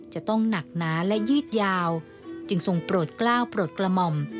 จะต้องหนักหนาและยืดยาวจึงทรงโปรดกล้าวโปรดกระหม่อม